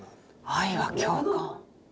愛は共感。